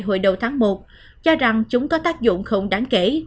hồi đầu tháng một cho rằng chúng có tác dụng không đáng kể